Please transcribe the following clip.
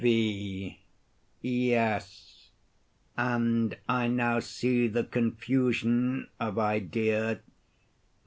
V. Yes; and I now see the confusion of idea.